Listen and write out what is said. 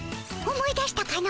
思い出したかの？